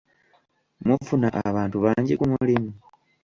Mufuna abantu bangi ku mulimu?